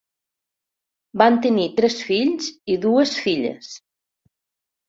Van tenir tres fills i dues filles.